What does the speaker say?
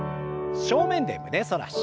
正面で胸反らし。